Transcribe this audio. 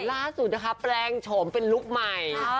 ล่าสุดนะคะแปลงโฉมเป็นลุคใหม่